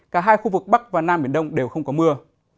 cả hai khu vực bắc và nam biển đông đều không có mưa